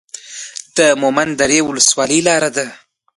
د مومند درې ولسوالۍ لاره ده